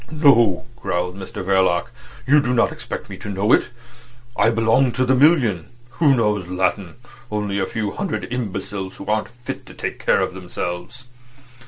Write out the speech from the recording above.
"No," growled Mr Verloc. "You did not expect me to know it. I belong to the million. Who knows Latin? Only a few hundred imbeciles who aren't fit to take care of themselves."